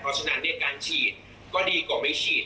เพราะฉะนั้นการฉีดก็ดีกว่าไม่ฉีด